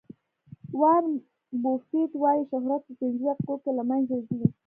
وارن بوفیټ وایي شهرت په پنځه دقیقو کې له منځه ځي.